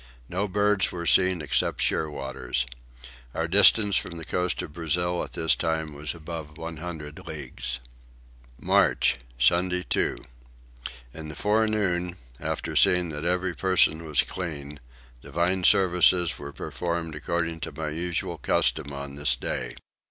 No birds were seen except shearwaters. Our distance from the coast of Brazil at this time was above 100 leagues. March. Sunday 2. In the forenoon, after seeing that every person was clean, divine service was performed according to my usual custom on this day.